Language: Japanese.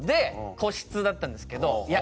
個室だったんですけどいや